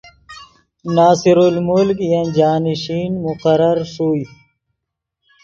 ناصر الملک ین جانشین مقرر ݰوئے